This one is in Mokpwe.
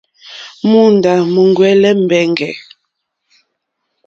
Móǒndá múúŋwɛ̀lɛ̀ mbɛ̀ŋgɛ̀.